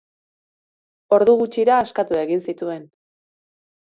Ordu gutxira askatu egiten zituen.